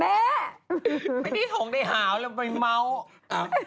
แม่นี่สง๑๙๑๗แล้วไปเมาส์